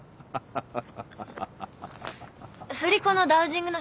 ハハハハ。